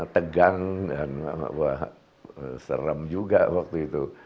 tegang dan wah serem juga waktu itu